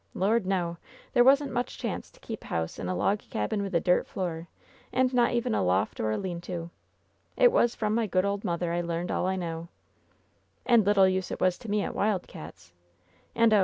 • Lord, no; there wasn't much chance to keep house in a log cabin with a dirt floor, and not even a loft oir a lean to ! It was from my good ole mother I learned all I know! 148 LOVE'S BITTEREST CUP And little use it was to me at Wild Cat8\ And, oh